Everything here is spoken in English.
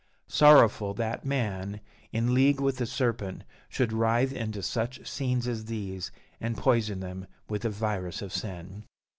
Sorrowful that man, in league with the serpent, should writhe into such scenes as these, and poison them with the virus of sin.